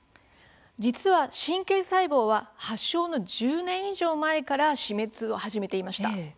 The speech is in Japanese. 実は神経細胞は発症の１０年以上前から死滅を始めていました。